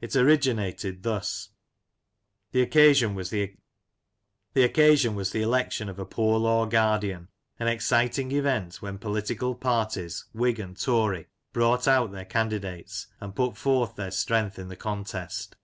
It originated thus : The occasion was the election of a poor law guardian — an exciting event when political parties, Whig and Tory, brought out their candidates, and put forth their strength in the contest.